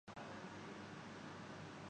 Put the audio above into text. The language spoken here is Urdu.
گرج چمک کے ساتھ چند مقامات پر بارش کی توقع ہے